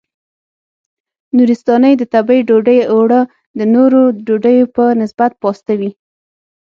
نورستانۍ د تبۍ ډوډۍ اوړه د نورو ډوډیو په نسبت پاسته وي.